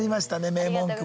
名文句も。